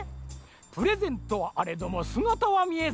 プレゼントはあれどもすがたはみえず。